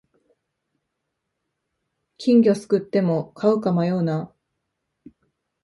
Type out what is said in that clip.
金魚すくっても飼うか迷うな